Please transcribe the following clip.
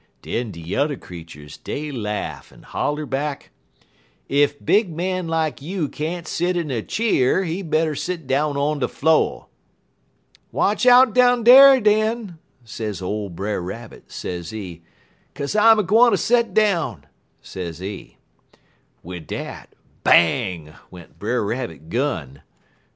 "Den de yuther creeturs dey laugh, en holler back: "'Ef big man like you can't set in a cheer, he better set down on de flo'.' "'Watch out down dar, den,' sez ole Brer Rabbit, sezee. 'Kaze I'm a gwine ter set down,' sezee. "Wid dat, bang! went Brer Rabbit gun.